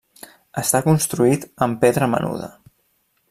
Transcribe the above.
Està construït amb pedra menuda.